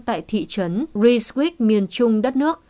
tại thị trấn rijswijk miền trung đất nước